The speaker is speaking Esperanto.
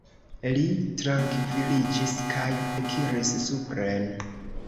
Li trankviliĝis kaj ekiris supren.